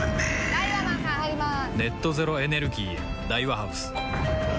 ・ダイワマンさん入りまーす！